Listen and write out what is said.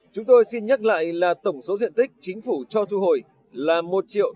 chúng tôi xin nhắc lại là tổng số diện tích chính phủ cho thu hồi là một triệu tám trăm linh hai sáu mươi bốn m hai